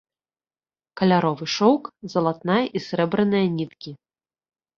Каляровы шоўк, залатная і срэбраная ніткі.